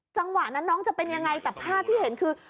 จังหวะนั้นน้องจะเป็นยังไงแต่ภาพที่เห็นคือ